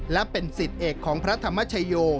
และเป็นสิทธิ์เอกของพระธรรมชโย